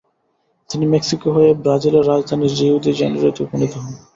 তিনি মেক্সিকো হয়ে ব্রাজিলের রাজধানী রিও দি জেনেরিও-তে উপনীত হন।